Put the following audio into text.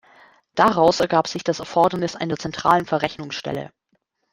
Daraus ergab sich das Erfordernis einer zentralen Verrechnungsstelle.